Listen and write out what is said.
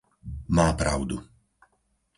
Má pravdu.